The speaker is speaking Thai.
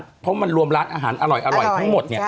เพราะมันรวมร้านอาหารอร่อยทั้งหมด